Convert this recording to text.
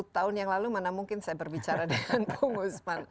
sepuluh tahun yang lalu mana mungkin saya berbicara dengan bung usman